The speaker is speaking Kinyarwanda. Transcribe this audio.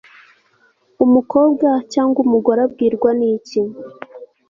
umukobwa cyangwa umugore abwirwa ni iki